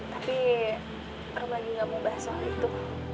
tapi rum lagi gak mau bahas soal itu